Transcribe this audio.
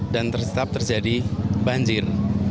dan tetap terjadi banjir